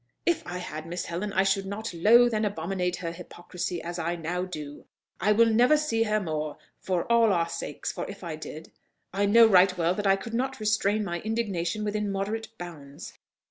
"If I had, Miss Helen, I should not loathe and abominate her hypocrisy as I now do. I will never see her more for all our sakes: for if I did, I know right well that I could not restrain my indignation within moderate bounds."